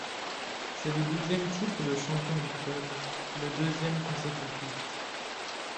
C’est le douzième titre de champion du club, le deuxième consécutif.